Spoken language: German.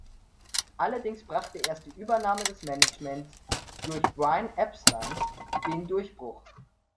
Allerdings brachte erst die Übernahme des Managements durch Brian Epstein den Durchbruch.